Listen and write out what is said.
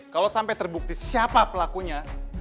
kalau sampai terbukti siapa pelakunya